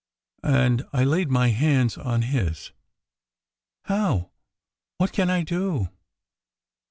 And I laid my hands on his. "How? What can I do?"